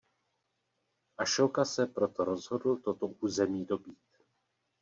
Ašóka se proto rozhodl toto území dobýt.